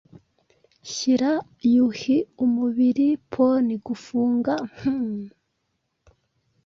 Shyira yuh umubiri pon gufunga, Mhmm